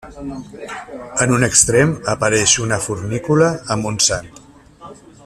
En un extrem apareix una fornícula amb un sant.